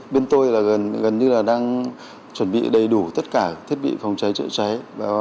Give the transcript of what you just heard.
bên tôi gần như đang chuẩn bị đầy đủ tất cả thiết bị phòng cháy chữa cháy